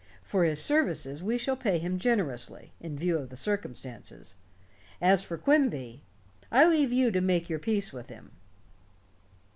For his services we shall pay him generously, in view of the circumstances. As for Quimby I leave you to make your peace with him."